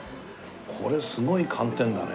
これすごい寒天だね。